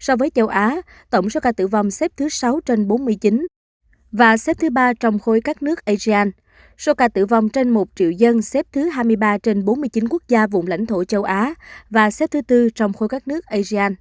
so với châu á tổng số ca tử vong xếp thứ sáu trên bốn mươi chín và xếp thứ ba trong khối các nước asean số ca tử vong trên một triệu dân xếp thứ hai mươi ba trên bốn mươi chín quốc gia vùng lãnh thổ châu á và xếp thứ tư trong khối các nước asean